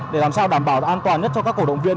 để làm sao đảm bảo an toàn nhất cho các cổ động viên